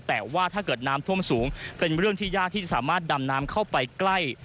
แต่ว่าถ้าเกิดน้ำท่วมสูงเป็นเรื่องที่ยากที่จะสามารถดำน้ำเข้าไปใกล้